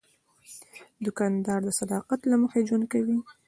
دوکاندار د صداقت له مخې ژوند کوي.